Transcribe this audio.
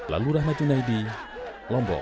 lalu rahmatunaidi lombok